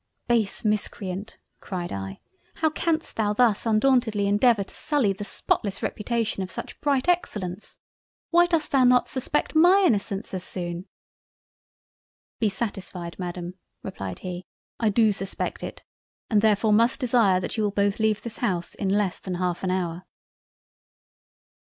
"Base Miscreant! (cried I) how canst thou thus undauntedly endeavour to sully the spotless reputation of such bright Excellence? Why dost thou not suspect my innocence as soon?" "Be satisfied Madam (replied he) I do suspect it, and therefore must desire that you will both leave this House in less than half an hour."